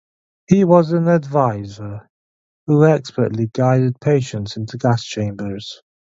He was an advisor who "expertly guided" patients into gas chambers.